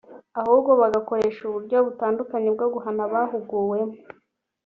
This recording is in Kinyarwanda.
ahubwo bagakoresha uburyo butandukanye bwo guhana bahuguwemo